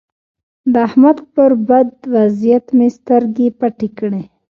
د احمد پر بد وضيعت مې سترګې پټې کړې.